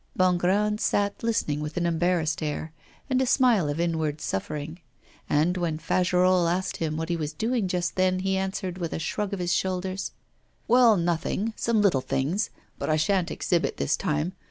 Bongrand sat listening with an embarrassed air, and a smile of inward suffering; and when Fagerolles asked him what he was doing just then, he answered, with a shrug of his shoulders: 'Well, nothing; some little things. But I sha'n't exhibit this time.